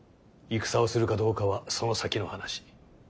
戦をするかどうかはその先の話。